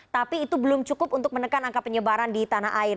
tapi itu belum cukup untuk menekan angka penyebaran di tanah air